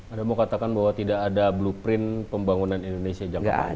anda mau katakan bahwa tidak ada blueprint pembangunan indonesia jangka panjang